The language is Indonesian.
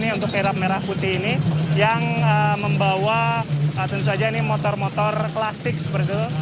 untuk kirap merah putih ini yang membawa motor motor klasik seperti itu